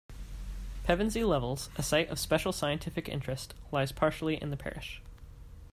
Pevensey Levels, a Site of Special Scientific Interest, lies partially in the parish.